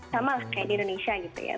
sama lah kayak di indonesia gitu ya